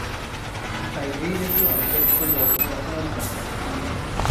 তাই এই জাতীয় আদ্যক্ষর ব্যবহার অপমানজনক।